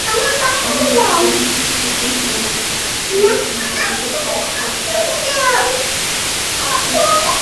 অভাবের কারণে ছোট মেয়ে মল্লিকাকে অন্যের বাড়িতে কাজ করতে পাঠাতে হয়েছে।